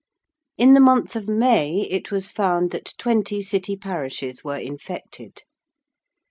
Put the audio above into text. In the month of May it was found that twenty City parishes were infected.